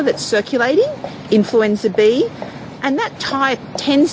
dan tipe itu terkait dengan impak yang lebih besar pada anak anak di sekolah